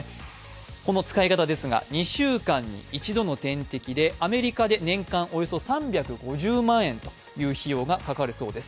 この使い方ですが、２週間に一度の点滴で、アメリカで年間およそ３５０万円という費用がかかるようです。